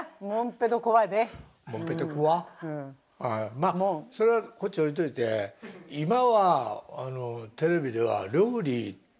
まあそれはこっち置いといて今はテレビでは料理。